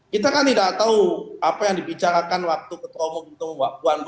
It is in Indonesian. kita kan tidak tahu apa yang dibicarakan waktu ketua umum itu mbak puan